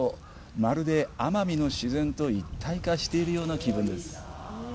まるで奄美の自然と一体化しているような気分です。